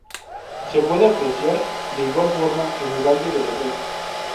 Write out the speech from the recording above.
Se puede apreciar de igual forma en el valle del Ebro.